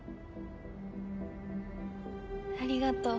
ありがとう。